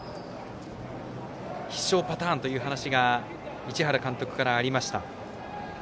必勝パターンという話が市原監督からありました。